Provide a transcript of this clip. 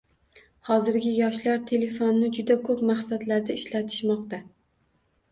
Hozirgi yoshlar telefonni juda ko‘p maqsadlarda ishlatishmoqda.